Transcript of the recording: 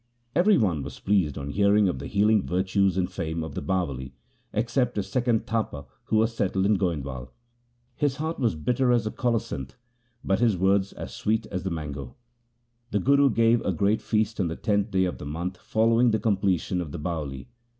1 Every one was pleased on hearing of the healing virtues and fame of the Bawali, except a second Tapa who had settled in Goindwal. His heart was bitter as the colocynth, but his words as sweet as the mango. The Guru gave a great feast on the tenth day of the month following the completion of the Bawali.